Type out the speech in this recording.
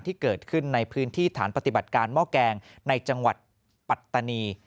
ที่เกิดขึ้นในพื้นที่ฐานปฏิบัติการหม้อแกงในจังหวัดปัตตานี